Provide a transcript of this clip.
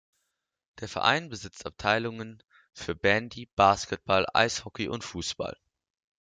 Der Verein besitzt Abteilungen für Bandy, Basketball, Eishockey und Fußball.